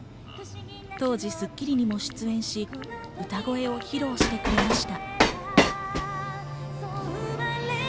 当時『スッキリ』にも出演し歌声を披露してくれました。